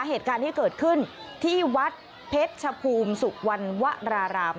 เหตุการณ์ที่เกิดขึ้นที่วัดเพชรชภูมิสุวรรณวราราม